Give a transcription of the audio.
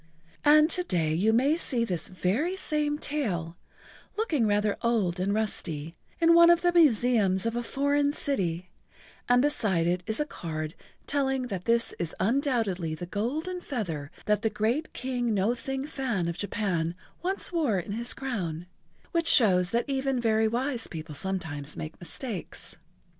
And to day you may see this very same tail, looking rather old and rusty, in one of the museums of a foreign city, and beside it is a card telling that this is undoubtedly the golden feather that the great King No Thing Fan of Japan once wore in his crown, which shows that even very wise people sometimes make mistakes.